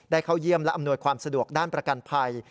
เข้าเยี่ยมและอำนวยความสะดวกด้านประกันภัย